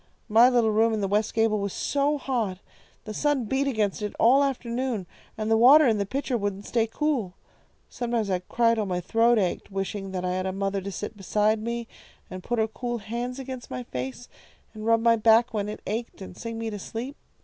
My little room in the west gable was so hot. The sun beat against it all afternoon, and the water in the pitcher wouldn't stay cool. Sometimes I'd cry till my throat ached, wishing that I had a mother to sit beside me, and put her cool hands against my face, and rub my back when it ached, and sing me to sleep.